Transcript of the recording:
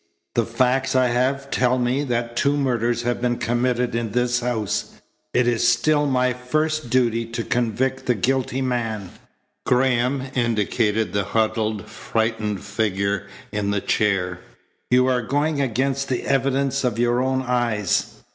The facts I have tell me that two murders have been committed in this house. It is still my first duty to convict the guilty man." Graham indicated the huddled, frightened figure in the chair. "You are going against the evidence of your own eyes."